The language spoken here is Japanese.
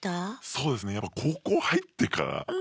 そうですねやっぱ高校入ってからですね。